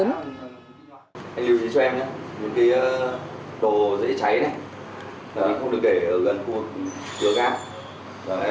anh lưu ý cho em nhé những cái đồ dễ cháy này không được để ở gần khu vực đưa ga